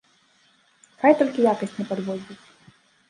Хай толькі якасць не падводзіць!